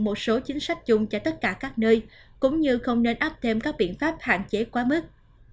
một số chính sách chung cho tất cả các nơi cũng như không nên áp thêm các biện pháp hạn chế quá mức